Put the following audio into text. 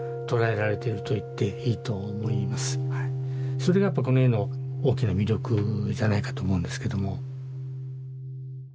それがやっぱこの絵の大きな魅力じゃないかと思うんですけども。